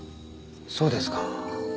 そうですか。